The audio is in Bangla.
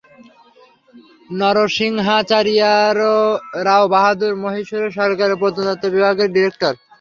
নরসিংহাচারিয়ারর, রাও বাহাদুর মহীশূর সরকারের প্রত্নতত্ত্ব বিভাগের ডিরেক্টর।